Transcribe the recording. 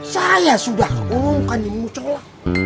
saya sudah mengumumkan ini musyola